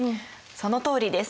そのとおりです。